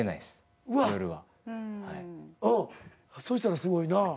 そしたらすごいな。